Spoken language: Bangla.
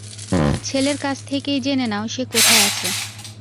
ছেলের কাছ থেকেই জেনে নাও সে কোথায় আছে।